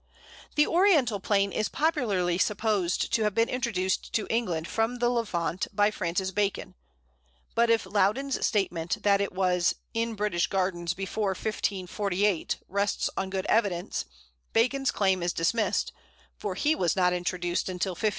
The Oriental Plane is popularly supposed to have been introduced to England from the Levant by Francis Bacon, but if Loudon's statement that it was "in British gardens before 1548" rests on good evidence, Bacon's claim is dismissed, for he was not "introduced" until 1561.